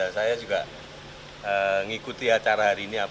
saya juga mengikuti acara hari ini